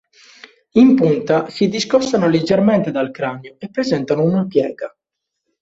In punta si discostano leggermente dal cranio e presentano una piega.